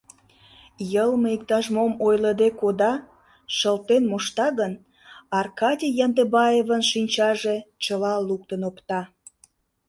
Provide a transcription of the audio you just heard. Йылме иктаж-мом ойлыде кода, шылтен мошта гын, Аркадий Яндыбаевын шинчаже чыла луктын опта.